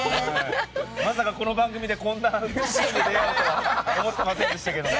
まさかこの番組でこんな感動シーンに出会うとは思ってませんでしたけども。